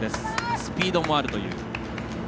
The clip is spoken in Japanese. スピードもあるという。